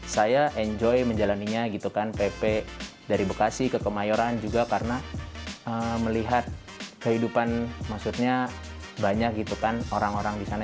saya enjoy menjalannya pp dari bekasi ke kemayoran juga karena melihat kehidupan banyak orang orang di sana